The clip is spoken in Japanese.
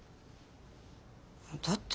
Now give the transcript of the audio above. だって。